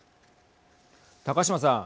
高島さん。